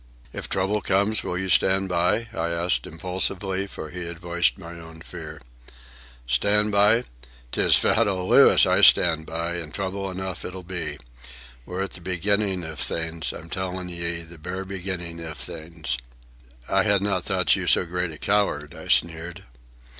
"If trouble comes, will you stand by?" I asked impulsively, for he had voiced my own fear. "Stand by? 'Tis old fat Louis I stand by, an' trouble enough it'll be. We're at the beginnin' iv things, I'm tellin' ye, the bare beginnin' iv things." "I had not thought you so great a coward," I sneered.